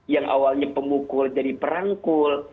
yang awalnya pemukul jadi perangkul